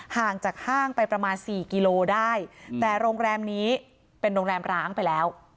ห่างจากห้างไปประมาณสี่กิโลได้แต่โรงแรมนี้เป็นโรงแรมร้างไปแล้ว